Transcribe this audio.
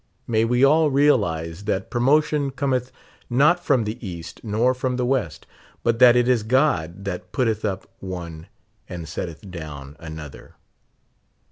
May we all realize that promotion cometh not from the East nor from the AVest, but that it is God that putteth up one and setteth down anotlier.